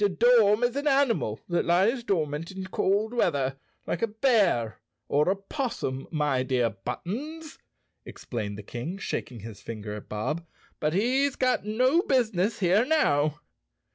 "A dorm is an animal that lies dormant in cold weather, like a bear or a 'possum, my dear Buttons," explained the King, shaking his finger at Bob, "but he's got no business here now."